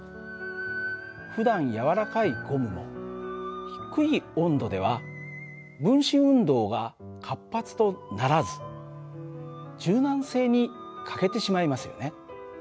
ふだん軟らかいゴムも低い温度では分子運動が活発とならず柔軟性に欠けてしまいますよね。